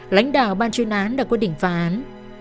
lãnh đạo ban chuyên án đã quyết định phá án